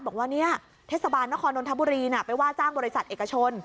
บอกว่าเทศบาลนครนนทบุรีไปว่าจ้างบริษัทเอกชน